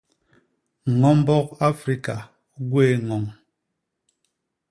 Ño mbok Afrika u gwéé ñoñ.